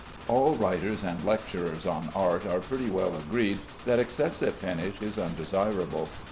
All writers and lecturers on art are pretty well agreed that excessive finish is undesirable.